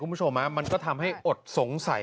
คุณผู้ชมมันก็ทำให้อดสงสัย